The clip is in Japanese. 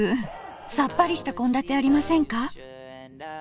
さっぱりした献立ありませんか？